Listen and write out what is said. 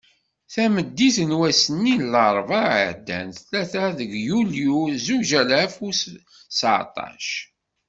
Tameddit n wass-nni n larebɛa i iɛeddan, tlata deg yulyu zuǧ alaf u seεṭac.